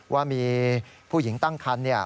ว่ามีผู้หญิงตั้งคัน